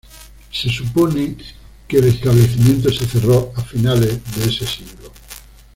Se supone que el establecimiento se cerró a finales de ese siglo.